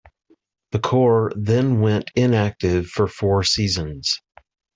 The corps then went inactive for four seasons.